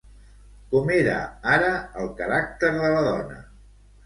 Com era ara el caràcter de la dona?